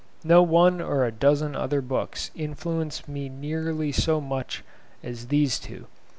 No one or a dozen other books influenced me nearly so much as these two.